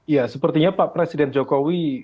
ya sepertinya pak presiden jokowi